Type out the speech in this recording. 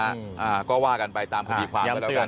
อ่าก็ว่ากันไปตามผิดความเจ้าแล้วกัน